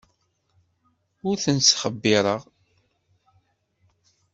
Ur tent-ttxebbireɣ.